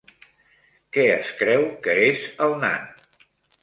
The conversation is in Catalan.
Què es creu que és el nan?